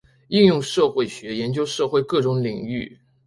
应用社会学研究社会各种领域。